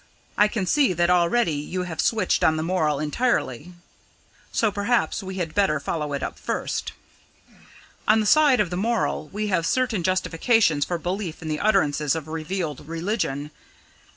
I can see that already you have switched on the moral entirely, so perhaps we had better follow it up first. On the side of the moral, we have certain justification for belief in the utterances of revealed religion.